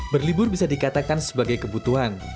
berlibur bisa dikatakan sebagai kebutuhan